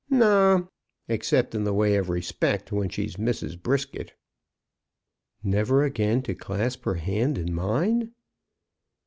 "Not, except in the way of respect, when she's Mrs. Brisket." "Never again to clasp her hand in mine?"